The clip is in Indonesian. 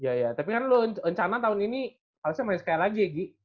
iya iya tapi kan lu rencana tahun ini harusnya main sekali lagi ya gi